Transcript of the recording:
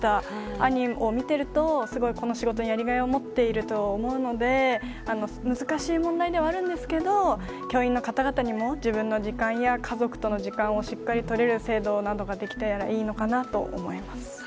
兄を見ているとこの仕事にやりがいを持っていると思うので難しい問題ではあるんですが教員の方々にも自分の時間や家族との時間をしっかりとれる制度が何とか出来たらいいなと思います。